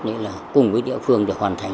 đấy là cùng với địa phương để hoàn thành